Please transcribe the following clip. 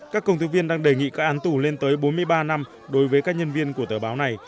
các công thức viên đang đề nghị các án tù lên tới bốn mươi ba năm đối với các nhân viên của tờ báo này